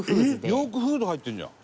ヨークフーズ入ってるじゃん。